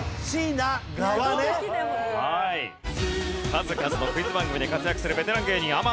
数々のクイズ番組で活躍するベテラン芸人天野さん